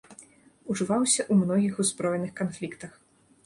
Ужываўся ў многіх узброеных канфліктах.